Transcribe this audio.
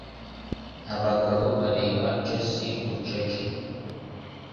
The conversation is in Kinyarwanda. Abagabo bareba Jessie bucece.